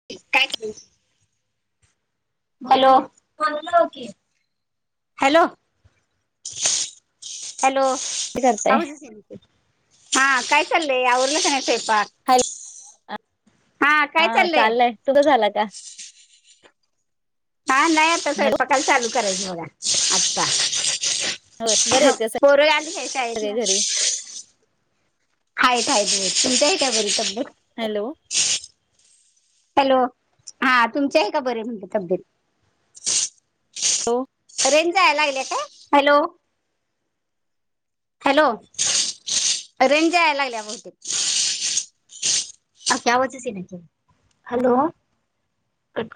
[unintelligible] Hello. Hello hello. करताय आवाजच येईना की हा काय चाललंय आवरलं का नाही स्वयंपाक? हॅलो हा चाललंय तुझं झाला का? हा नाही आता हॅलो स्वयपकाला चालू करायचा मला आत्ता. होय बरे आहेत का पोरं आली काय शाळेत सगळे ना? घरी हाईत हाईत की तुमची आहे का बरी तब्येत? हॅलो. हॅलो हा तुमचे आहे का बरे म्हटलं तब्येत? लो रेंज जायला लागली का हॅलो. हॅलो रेंज जाया लागलीया बहुतेक आक्के आवाजच येईना की हॅलो.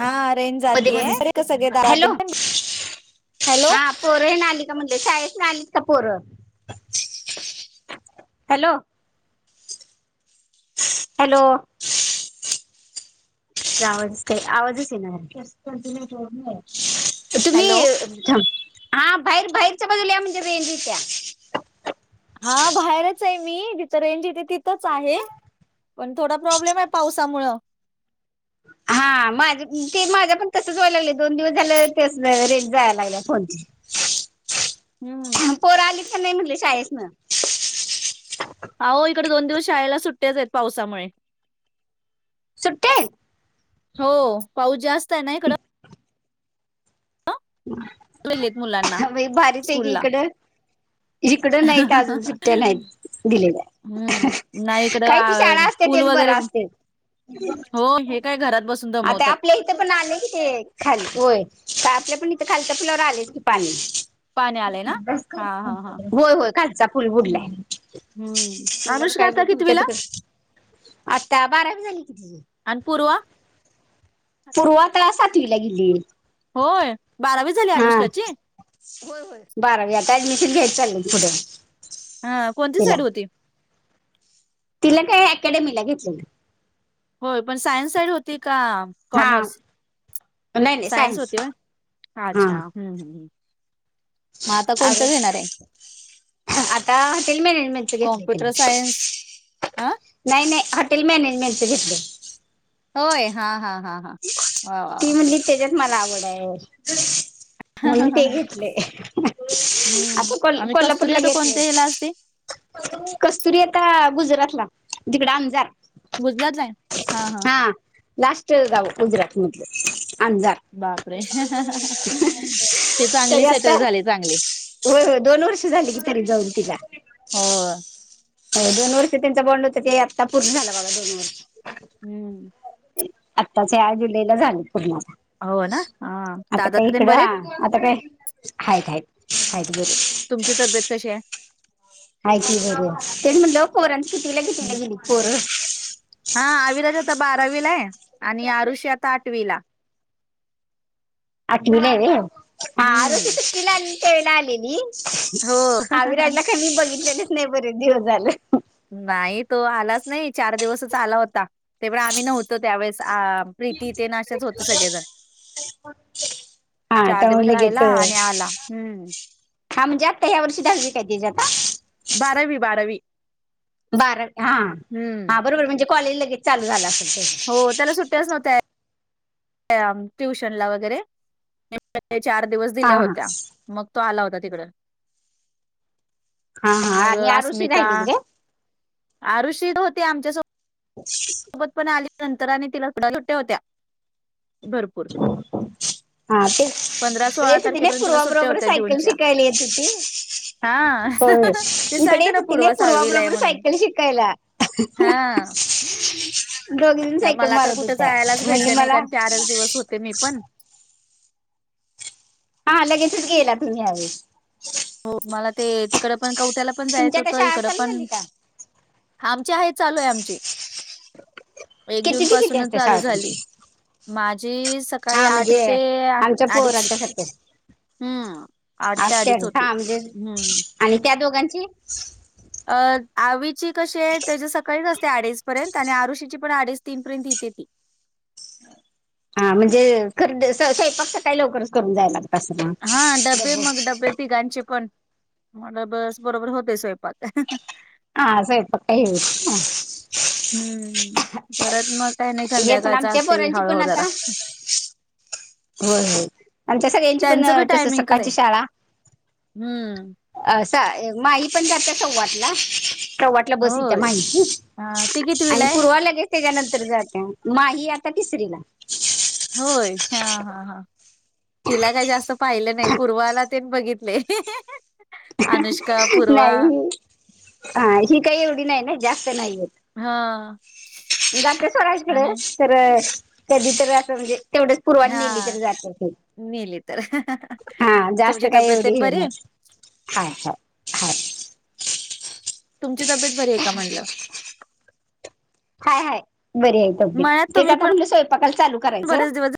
हा रेंज जातीय अरे का सगळे दारात हॅलो हॅलो हा. पोरंही ना आली का म्हणजे शाळेेतना आलीत का पोरं. हॅलो. हॅलो. आवाजच का आवाजच येईना तुम्ही हॅलो थांब, हा बाहेर बाहेरच्या बाजूला या म्हणजे येत्या. हा बाहेरच आहे मी तिचं रेंज यथे तिथंच आहे. पण थोडा प्रॉब्लेम आहे पावसामुळ. हा माझ ते माझं पण तसच व्हायला लागलं दोन दिवस झालं ते रेंज जायला लागलीया फोनची [inaudible] हम्म. पोर आलीत का नाही म्हटल शाळेसन? अहो इकडे दोन दिवस शाळेला सुट्ट्याच आहेत पावसामुळे. सुट्टी आहे? हो पाऊस जास्त आहे ना इकडे. गेलेत मुलांना वाई भारीच आहे की स्कूलला इकडं. इकडं नाहीत अजून सुट्ट्या नाहीत दिलेल्या. हम्म नाही इकडं काय ती शाळा अ असते पूल तेच वगैरे. बरं असते हो हे काय घरात बसून दमवतात. इथे पण आले कि ते खाली होय आपल्या पण इथ खालच्या पुुलावर आलंयच की पाणी. पाणी आलंय ना हा हा हा होय होय खालचा पूल बुडलाय. हम्म म्हणल्यावर अनुष्का काय ब आता तुच्या कितवीला तिक आता बारावी झाली किती. अन पूर्वा? पूर्वा आता सातवीला गेली. होय बारावी झाली हा अनुष्काची? होय होय बारावी आता ॲडमिशन घ्यायच चाललंय की पुढं. हा कोणती तिला साईड होती? तिला काय ॲकॅडमीला घेतलेलं. होय पण सायन्स साईड होती का. हा कॉमर्स नाही नाही सायन्स होती होय हा अच्छा हम्म हम्म हम्म. मग आता अग कोणतं घेणार आहे? आता हॉटेल मॅनेजमेंटचे घेतलय तिन कॉम्प्युटर सायन्स हा नाही नाही हॉटेल मॅनेजमेंटचं घेतले. होय हा हा हा हा. वा वा ती वा म्हणाली त्याच्यात मला आवड आहे. म्हणून ते घेतले हम्म आता कोल आम्ही कस्तुरी कोल्हापूरला आता घेतलय. कोणत्या हेला असते कस्तुरी आता गुजरातला तिकड आमजार. हा लास्टच गाव गुजरात मधल अंजार. बापरे ते तरी चांगले आता सेटल झाले चांगले. होय होय दोन वर्ष झाली की तरी जाऊन तिला. हो दोन वर्ष त्यांचं बॉण्ड होत ते आत्ता पूर्ण झालं बघा दोन वर्ष. हम्म. आत्ताच या जुलैला झाले पूर्ना सहा हो ना हा दादातेन बरे आहेत? हा आता का हायत हायत हायत बरे. तुमची तब्येत कशी आहे? हाय की बरी आय तेच म्हणाल पोरांच कितवीला हम्म. कितवीला गेलीत पोरं? हा आविराज आता बारावीला आहे आणि आरुषी आता आठवीला. आठवीला आहे वय हा आरूषी हम्म सुट्टीला आलेली त्या वेळेला आलेली. हो अविराजला काय मी बघितलेलेच नाही बरेचं दिवस झालं. नाही तो आलाच नाही चार दिवसंच आला होता तेपण आम्ही नव्हतो त्यावेेळेस आ प्रीती ते नाशाच होते सगळेजण. [inaudible] चार त्यामुळे दिवस लगेच राहिला आणि आला हम्म. हा म्हणजे आत्ता या वर्षी दहावी काय तिजी आत्ता. बारावी बारावी. बारा हा हम्म हा बरोबर म्हणजे कॉलेज लगेच चालू झाल असलं. हो त्याला सुट्ट्याच नव्हत्या. ट्युशनला वगैरे चार दिवस दिल्या हा होत्या. मग तो आला होता तिकड. हा हा हा मग आणि आरुषी अस्मिता राहिलेली काय? आरुषी होती आमच्यासोब [inaudible] सोबत पण आल्या नंतर आणि सुट्ट्या होत्या भरपूर. हा पंधरा तेच सोळा येत होती नाई तारखेपर्यंत तिला पूर्वा सुट्ट्या बरोबर होत्या सायकल जूनच्या शिकायली येत होती. हा होय होय ते इकडं सांगते येत ना होती नाई पूर्वा सहावीला आहे पूर्वाबरोबर म्हणून सायकल शिकायला. हा. दोघीजण सायकल मला तर मारत कुठे होत्या जायलाच म्हणली भेटलं नाही मला कारण चारच दिवस होते मी पण. हा लगेचच गेला तुम्ही ह्या वेळेस. हो मला ते तिकड पण कवट्याला पण जायचं तुमच्या आता होतं शाळा इकडं चालू पण झाली का? आमची हाय चालू आहे आमची. एक किती जून ते किती पासूनच असते चालू शाळा झाली. तुमची? माझी सकाळी हा आठ म्हणजे ते आमच्या अडीच. पोरांच्या सारखे हम्म आठ ते असते अडीच होती. हा म्हणजे आणि त्या दोघांची. अ आवीची कशीय त्याची सकाळीच असते अडीच. पर्यंत आणि आरुषीची पण अडीच तीन पर्यंत येतीया ती. हा म्हणजे खर दे स्वयपाक सकाळी लवकरच करून जाय लाग हा डब्बे मग डब्बे तीघांचे पण. मला बस बरोबर होतय स्वयंपाक अ हं हं. हा स्वयपाक काय हे च ना. हम्म परत मग काही नाही संध्याकाळच असतयं हळूहळू जरा. व्हय आमच्या सगळ्यांची पण त्यांचं बी तस टायमिंग कसं सकाळची आहे? शाळा. हम्म. अस माई पण जातीया सव्वा आटला. सव्वा आटला बस येतीया होय. माहीची हां, ती कितवीला आणि आहे? पूर्वा लगे त्याच्यानंतर जातीया माही आता तिसरी ला. होय हा हा हा. तिला काही जास्त पाहिलं नाही पूर्वाला तेन बघितलयं अ हं हं. ह ह नाही हा ही काही एवढी नाही ना जास्त नाहीयेत. हां जातंय सोडा इकड आणि खरं कधी तर असं म्हणजे तेवढच पूर्वान नेली हां, तर जात असेल. नेली तर अ हं हं हं तुमची काही एवढी तब्येततेन हे बरीये? नाही हाय हाय. हाय तुमची तब्येत बरी आहे का म्हणलं? हाय हाय बरी आहे तब्येत मळ्यात तेच तुम्ही आता पण म्हणलं स्वयंपाकाल चालू करायचं. बरेच दिवस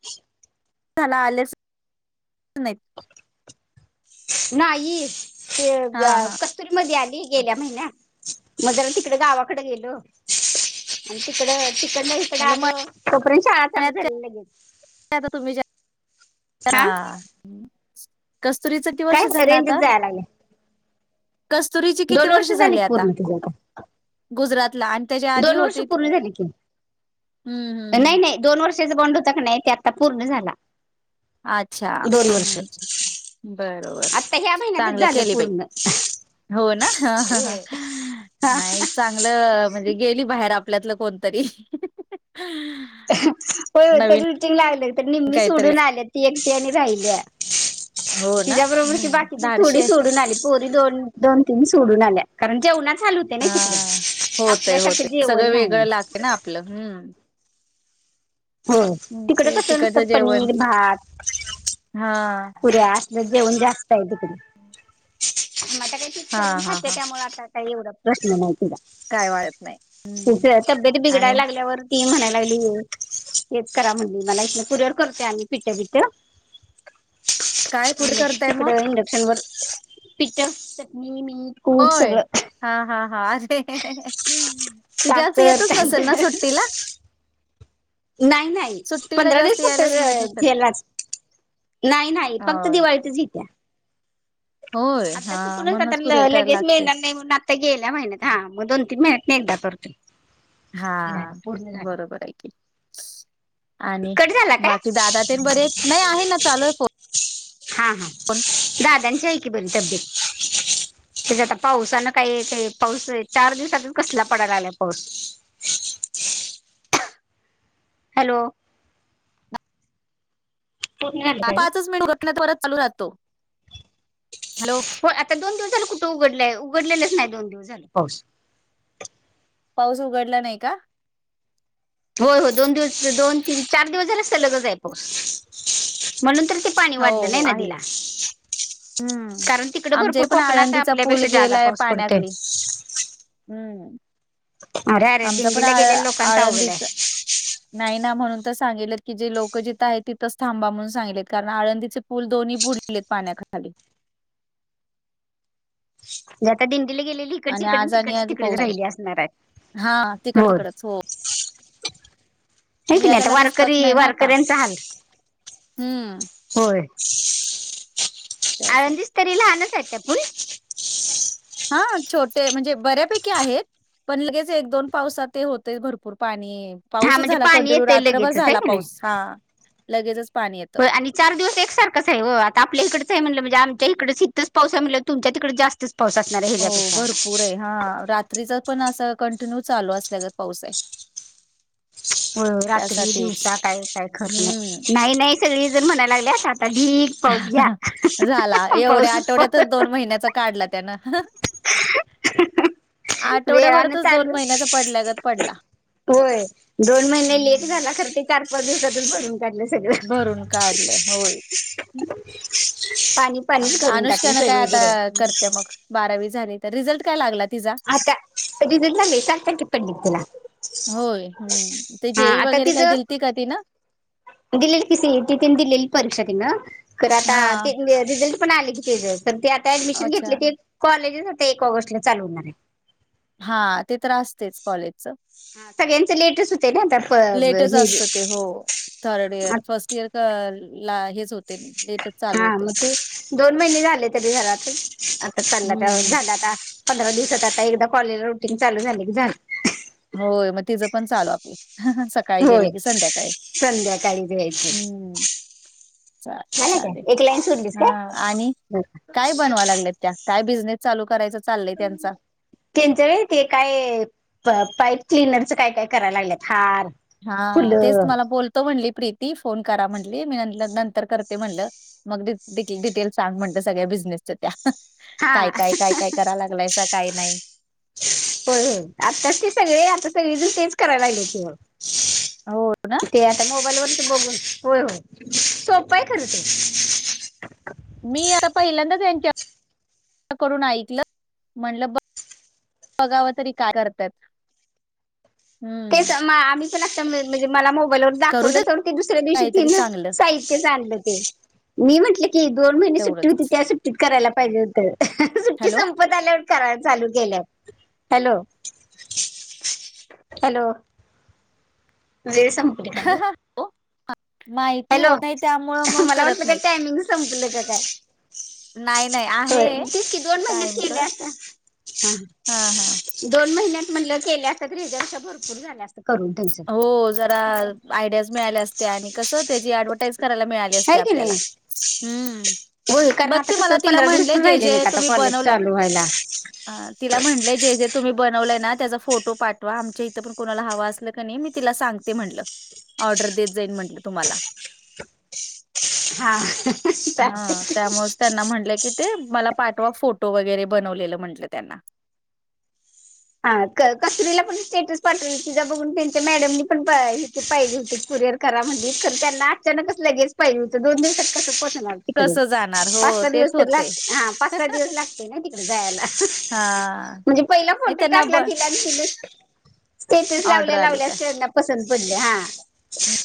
झाला आलेस नाहीत. नाही ते हा झा हा क तरी मध्ये आली गेल्या महिन्या मग तिकडे गावाकडे गेलो. आणि तिकड तिकडंन इकड म्हटलं आलो तोपर्यत शाळा चालू मळ्यात झाल्या लगेच. काय आता तुम्ही ज्या हा कस्तुरीचं किती वर्ष काय झालं रेंजच आता? जायला लागल्या कस्तुरीची किती वर्ष झाली आता गुजरातला आण दोन वर्ष पूर्ण झाली की. हम्म हम्म नाही हम्म नाही दोन वर्षाचा बॉन्ड होता का नाही, तो आता पूर्ण झाला. अच्छा दोन वर्ष. बरोबर आत्ता ह्या महिन्यातच चांगलं झालं केली बाई पूर्ण. हो ना हा हा हा हा नाही चा ल म्हणजे गेली बाहेर आपल्यातलं कोणतरी. अ ह होय होय तर नवीन रुटिंग लागलं तर निम्मी काहीतरी सोडून आल्या ती एकटी आणि राहिली. हो ना तिच्या बरोबर की हम्म बाकीची धाडशी थोडी आहे सोडून आली पो मी दोन दोन तीन सोडून आल्या कारण जेवणाच हाल हु ते नाही हा तिकडं होतय आपल्यासारखं होतय जेवण सगळं नाही. वेगळं लागते ना आपलं हम्म. हो तिकडे ते कसं तिकडचं नुसतं जेवण पनीर भात. हा. ते आसल जेवण जास्त आहे तिकडे म आता काही हा करून हा खात हा त्यामुळे आता. का एवढा प्रश्न नाहीती का काय वाढत नाही हम्म त तब्येत बिघडायला आणि लागल्यावर. ती म्हणायला लागली व हेच करा म्हणली मला इथ कुरिअर करते आम्ही पिट बिट. काय कुठे आम्ही ते करताय मग तिकडे हिंडत. वर प चटनी मीट कट होय सगळ. हा हा हा अरे. ती जास्त साखर येतच नसेल तांदळ ना सुट्टीला नाही नाही सुट्टीला पंधरा जास्त दिवस फक्त यायलाच मिळत तर नसेल झेललाच नाही नाही फक्त होय दिवाळीतच हि होय आता हा चुकूनच आता म्हणूनच कुरिअर करायला लगेच मिळणार लागतेच नाही म्हणून आ ते गेल्या महिन्यात हा मग दोन तीन महिन्यातन एकदा करतोय. हा झालं पूर्ण बरोबर आहे कि. आणि कट झाला काय बाकी दादा ते बरे आहेत? नाही आहे ना चालू आहे फ हा हा दादांची हाय की पण तब्येत. त्याच्या आता पाऊसान काही का पाऊस चार दिवसातच कसला पडायला लागलाय पाऊस. हॅलो. पूर्ण झालं काय ग? पाचच मिनट घटनाच परत चालू राहतो हॅलो. हो आता दोन दिवस झाले कुठं उघडलंय उघडलेलंच नाही दोन दिवस झाले पाऊस. पाऊस उघडला नाही का? हो हो दोन दिवस दोन तीन चार दिवस झाला लगच आहे पाऊस म्हणून तर ते. पाणी हो वाढलं नाही हो आहे. नदीला. हम्म कारण तिकड आमच्या भरपूर पण कोकणात आळंदीचा पूल आपल्यापेक्षा ज्यादा गेलाय पाऊस पडतय. पाण्याखाली हम्म. अरे. अरे आमचा पण दिंडीला आळ गेलेल्या लोकांचा अवघड आळंदीत आहे नाही ना म्हणून तर सांगितल की जे लोक जिथं आहेत तिथच थांबा म्हणून सांगलेत कारण आळंदीचे पूल दोन्ही बुड लेत पाण्या खाली. जे आता दिंडीला गेलेली इकडची आणि इकड आण आज आणि तिकडची आज तिकडंच पाऊस आहे. राहिली असणार आहेत हा तिकड होय. तिकडच हो हाय की नाही आता याजायला रस्ताच वारकरी नाही ना आता वारकऱ्यांचा हाल. हम्म. होय त्यासाठी आळंदीच तरी लहानचं आहे काय पूल. हा छोटे म्हणजे बऱ्यापैकी आहेत. पण लगेच एक दोन पावसात ते होतेयचं भरपूर पाणी हा पाऊसच म्हणजे झाला पाणी कंटिन्यू येतंय रात्रभर लगेचच आहे झाला का नाही पाऊस हा लगेचच पाणी येत. ती चार दिवस एकसारखाच आहे ओ आता आपल्या इकडचं आहे म्हणलं म्हजे आमच्या इकडेच इथंच पाऊस आहे म्हणल्यावर तुमच्या तिकडं जास्त पाऊस असणारयं हो भरपूर ह्यज्यापेक्षा. आहे हा रात रात्रीचा पण असा कंटिन्यू चालू असल्यागत पाऊस आहे. होय होय रात्री त्यासाठीच दिवसा काय काय खरच हम्म नाही नाही नाही. सगळीजणं म्हणाय लागल्यात आता ही पाऊस घ्या अ हं हं झाला हं हं एवढ्या पाऊसंच प अ आठवड्यातच हं दोन महिन्याचा हं. काढला त्यानं अ हं हं. वेळानं आठवड्याभरातच दोन चालू महिन्याचा पडल्यागत पडला. होय. दोन महिने लेट हम्म. झाला खर ते चार पाच दिवसातचं भरून काढलं सगळ. भरून काढलं होय. पाणी पाणीच करून टाकलयं सगळीकडं. करतिया मग. बारावी झाली तर रिझल्ट काय लागला? तिचा? आता रिजल्ट लागलाय साठ टक्के पडलेत तिला. होय, हं. ते जेई वगैरे काही दिलती का तीनं. दिलेली की सीईटी तेनं दिलेली परीक्षा तिनं खर आता हां. ते रिझल्ट पण आल की तेज. ते आता ऍडमिशन अच्छा. घेतली ते कॉलेजच आता एक ऑगस्ट ला चालू होणार आहे. हा ते तर असतयच कॉलेजचं. सगळ्यांच लेटच होतयं ना आता प ब लेटच ही बी. असतं हो थर्ड इयर फर्स्ट इयर क ला हेच होतय लेटच चालू हा होतय. मग ते दोन महिने झाले तरी घरातचं आता चालला का हं, हं. झालं आता पंधरा दिवसात आता एकदा कॉलेजला रुटीन चालू झालं की झालं. होय मग तिचं पण चालू आपल अ ह सकाळी होय गेली कि संध्याकाळी संध्याकाळी जायचं हम्म. चालतयं झालं चालतयं काय एक लाईन सोडलीस हा काय आणि काय बनवाय लागलायतं? आ काय बिझनेस चालू करायचा चाललय त्यांचा. त्यांच्या वय ते काय पाईप क्लिनरचं काय काय करायला लागलेत हार हा तेच फुलं तुमला बोलतो म्हटली प्रीती फोन करा म्हणली मी नंतर करते म्हणलं. मग डिक डिटेल सांग म्हटलं सगळ्या बिझनेसच्या त्या. हा काय काय काय काय कराय लागलायसा काय नाही. होय होय आत्ताच ते सगळे आता सगळीजन तेच कराय लागल्यात कि हो ना? ओ. ते आता मोबाईलवर बघून होय होय सोपंय खर ते. मी आता पहिल्यांदाच ह्यंच्या करून ऐकलं म्हंणलं ब बघाव तरी काय करत्यात. तेच म आम्ही पण आता म्हणजे मला मोबाईलवर करू दाखवलं देत तोवर ते दुसऱ्या दिवशी काहीतरी तीन चांगलं साहित्यचं आणलं ते. मी म्हटलं की दोन महिने सुट्टी होती तेवढंच. त्या सुट्टीत करायला पाहिजे होत अ हं हं सुट्टी हॅलो? सं मूड आल्यावर चालू केेल्यात हॅलो. हॅलो. वेळ संपली काय गं? हो. माहिती हॅलो होत नाही त्यामुळं मग मला वाटलं का करत काय नाहीत. टायमिंग संपलं का काय. नाही, नाही होय आहे तेच कि दोन महिन्यात केलय टाईमचं. अस हं हं. हां, हां. दोन महिन्यात म्हणलं केल्या असत्या तर ह्यज्यापेक्षा भरपूर झाल्या अस हो जरा आयडियाज मिळाल्या असत्या आणि कस त्याची ऍडव्हर्टाईज करायला मिळाले असते हाय की आपल्याला नाही हम्म. होय कारण बघ आता ते मला कसं तिला पंधरा दिवस म्हणलयं पण जे राहिले जे नाहीत आता तुम्ही कॉलेज बनवलंय. चालू व्हायला हा तिला म्हटलय जे जे तुम्ही बनवलंय ना त्याचा फोटो पाठवा आमच्या इथं पण कोणाला हव असल नाही मी तिला सांगते म्हणलं ऑर्डर देत जाईन म्हणलं तुम्हाला. हा हा चालतंय त्यामुळेच त्यांना म्हणलं की मला पाठवा फोटो वगैरे बनवलेलं म्हटलं त्यांना. हा क कसुरीला पण स्टेटस पाठवेल तिजा बघून त्यांच्या मॅडमनी पण पाहिजे होतित कुरिअर. करा म्हणलीत खर त्यांना अचानकच लगेच पाहिजें हुत दोन दिवसात कसं पोचणार ते. हॅलो कसं जाणार हो पाच सहा दिवस तेच तरी लाग होतंय. हा पाच सहा दिवस लागतय ना तिकडं जायला अ हा हं. मी पहिला नाही फोटो त्यांना टाकला ब ते हं हं स्टेटस ऑर्डर लावल्या आली का? लावल्याचं त्यांना पसंत पडलयं हा.